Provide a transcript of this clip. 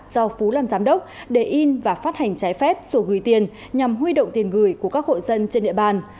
do phú làm giám đốc để in và phát hành trái phép sổ gửi tiền nhằm huy động tiền gửi của các hộ dân trên địa bàn